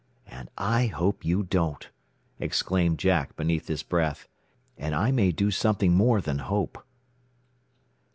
"And I hope you don't!" exclaimed Jack beneath his breath. "And I may do something more than hope."